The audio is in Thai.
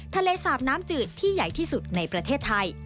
สาบน้ำจืดที่ใหญ่ที่สุดในประเทศไทย